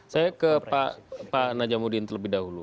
saya ke pak najamuddin terlebih dahulu